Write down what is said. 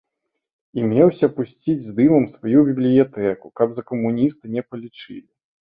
І меўся пусціць з дымам сваю бібліятэку, каб за камуніста не палічылі.